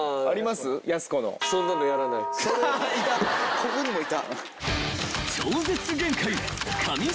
ここにもいた。